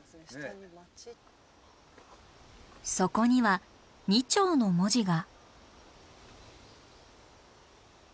そこには「二町」の文字が。